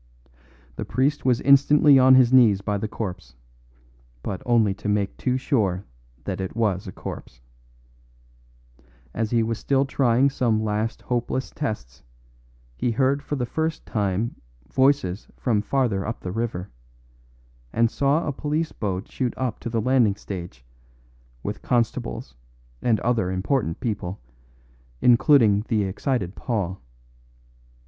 The priest was instantly on his knees by the corpse; but only to make too sure that it was a corpse. As he was still trying some last hopeless tests he heard for the first time voices from farther up the river, and saw a police boat shoot up to the landing stage, with constables and other important people, including the excited Paul.